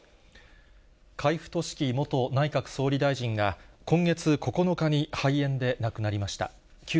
海部俊樹元内閣総理大臣が、今月９日に肺炎で亡くなりました。